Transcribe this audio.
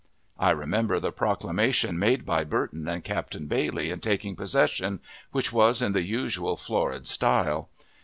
I remember the proclamation made by Burton and Captain Bailey, in taking possession, which was in the usual florid style.